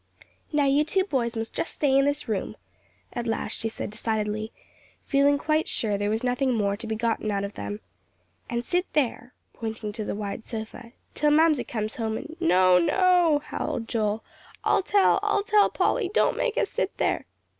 "Now, you two boys must just stay in this room," at last she said decidedly, feeling quite sure there was nothing more to be gotten out of them, "and sit there," pointing to the wide sofa, "till Mamsie comes home, and " "No, no," howled Joel; "I'll tell, I'll tell, Polly. Don't make us sit there."